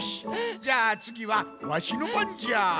じゃあつぎはわしのばんじゃ。